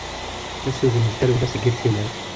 Asugen d tarewla seg yir tillawt.